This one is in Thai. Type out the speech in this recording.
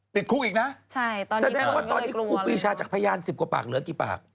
ติดคุกอีกนะแสดงว่าตอนนี้ครูปีชาจากพยาน๑๐กว่าปากเหลือกี่ปาก